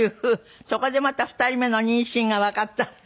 そこでまた２人目の妊娠がわかったって。